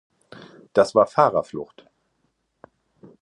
Das war Fahrerflucht!